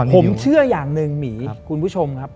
ผมเชื่ออย่างหนึ่งหมีคุณผู้ชมครับ